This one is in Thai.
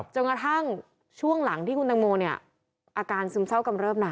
จนกระทั่งช่วงหลังที่คุณตังโมเนี่ยอาการซึมเศร้ากำเริบนะ